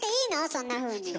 そんなふうに。